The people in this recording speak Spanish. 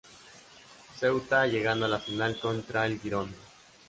Ceuta llegando a la final contra el Girona.